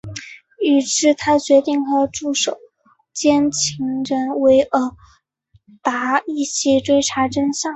至此他决定和助手兼情人维尔达一起追查真相。